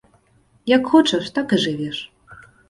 Як хочаш, так і жывеш.